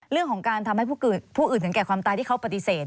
เรื่องของการทำให้ผู้อื่นถึงแก่ความตายที่เขาปฏิเสธ